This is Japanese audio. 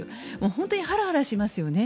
本当にハラハラしますよね。